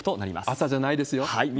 朝じゃないですよ。